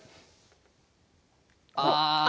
ああ！